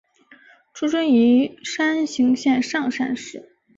出身于山形县上山市。